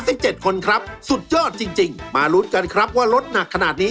สมบูรณ์หรือไม่สมบูรณ์อยู่ตรงนี้แล้วนะครับ